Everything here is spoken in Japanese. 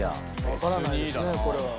わからないですねこれは。